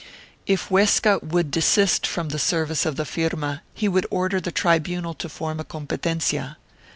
If Huesca would desist from the service of the firma he would order the tribunal to form a competencia.